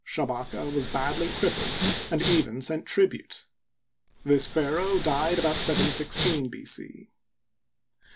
Shabaka was badly crippled, and even sent trib ute. This pharaoh died about 716 B. C.